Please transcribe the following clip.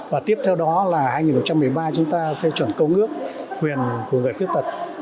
và tiếp theo đó là năm hai nghìn một mươi ba chúng ta phê chuẩn cấu ngước quyền của người khuyết tật